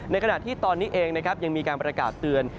ในขณะที่ตอนนี้เองยังมีการประกาศเตือน